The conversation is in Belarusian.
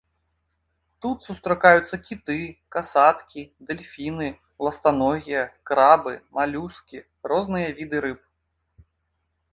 Тут сустракаюцца кіты, касаткі, дэльфіны, ластаногія, крабы, малюскі, розныя віды рыб.